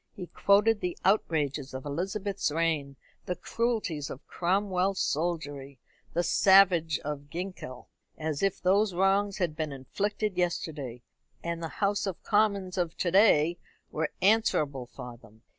He quoted the outrages of Elizabeth's reign, the cruelties of Cromwell's soldiery, the savagery of Ginkell, as if those wrongs had been inflicted yesterday, and the House of Commons of to day were answerable for them.